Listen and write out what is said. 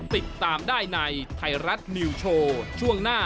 ติดตามได้ในไทยรัฐนิวโชว์ช่วงหน้า